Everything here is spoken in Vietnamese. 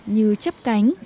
như chấp cánh